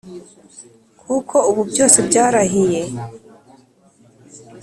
kuko ubu byose byarahire